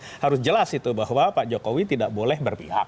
tapi harus jelas itu bahwa pak jokowi tidak boleh berpihak